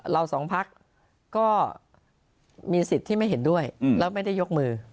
สองพักก็มีสิทธิ์ที่ไม่เห็นด้วยแล้วไม่ได้ยกมือ